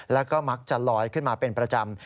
แล้วก็มักจะลอยขึ้นมาเป็นประจำ